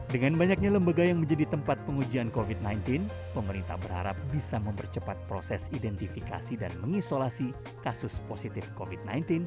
dengan banyaknya lembaga yang menjadi tempat pengujian covid sembilan belas pemerintah berharap bisa mempercepat proses identifikasi dan mengisolasi kasus positif covid sembilan belas